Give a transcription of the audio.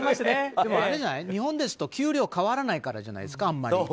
でも、日本ですと給料が変わらないからじゃないですか？